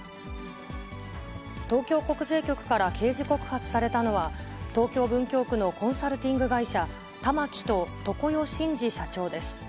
東京国税局から刑事告発されたのは、東京・文京区のコンサルティング会社、たまきと常世真司社長です。